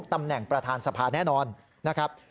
ตำแหน่งประธานสภาแน่นอนนะครับ